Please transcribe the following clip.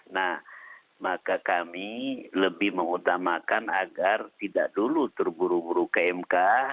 nah maka kami lebih mengutamakan agar tidak dulu terburu buru ke mk